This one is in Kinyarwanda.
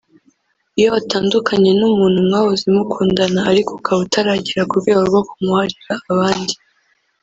Iyo watandukanye n’umuntu mwahoze mukundana ariko ukaba utaragera ku rwego rwo kumuharira abandi